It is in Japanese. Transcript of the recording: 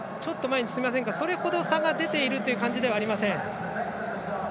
それほど差が出ているという感じではありません。